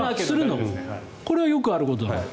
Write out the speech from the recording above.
これはよくあることなの？